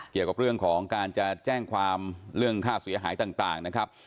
เกี่ยวกับเรื่องของการจะแจ้งความเรื่องค่าเสียหายต่างนะครับ